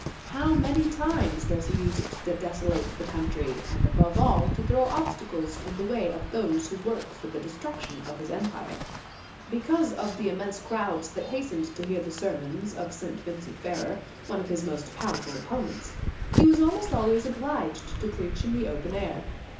How many times does he use it to desolate the country, and above all, to throw obstacles in the way of those who work for the destruction of his empire ! Because of the immense crowds that has tened to hear the sermons of St. Vincent Ferrer, one of his most powerful opponents, he was almost always obliged to preach in the open air.